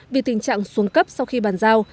vì tình trạng xuống cấp sau khi bàn giao